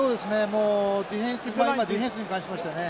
もうディフェンスがディフェンスに関しましてはね